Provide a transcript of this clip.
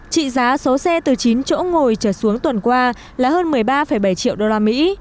trị giá số xe từ chín chỗ ngồi trở xuống tuần qua là hơn một mươi ba bảy triệu đô la mỹ